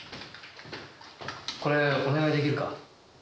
これお願いできるか？